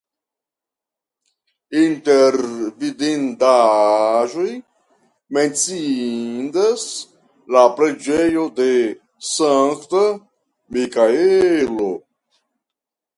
Inter vidindaĵoj menciindas la preĝejo de Sankta Mikaelo.